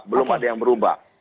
belum ada yang berubah